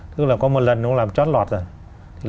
tức là có một lần nó làm trót lọt rồi